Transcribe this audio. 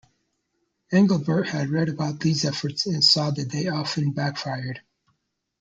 Engelbart had read about these efforts and saw that they often backfired.